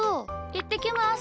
いってきます。